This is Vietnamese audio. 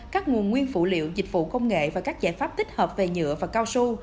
các nguồn nguyên phụ liệu dịch vụ công nghệ và các giải pháp tích hợp về nhựa và cao su